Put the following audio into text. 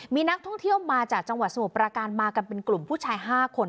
มีนักท่องเที่ยวมาจากจังหวัดสมุทรประการมากันเป็นกลุ่มผู้ชาย๕คน